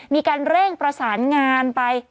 มีการเร่งประสานงานไป